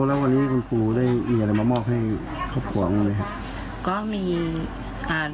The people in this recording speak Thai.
อ๋อแล้ววันนี้คุณครูได้มีอะไรมามอบให้ครอบครัวของคุณเลย